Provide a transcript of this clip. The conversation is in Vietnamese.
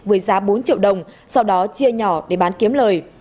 với giá bốn triệu đồng sau đó chia nhỏ để bán kiếm lời